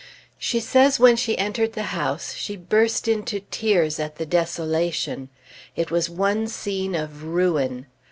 She says when she entered the house, she burst into tears at the desolation. It was one scene of ruin.